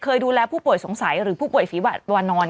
ดูแลผู้ป่วยสงสัยหรือผู้ป่วยฝีวานอน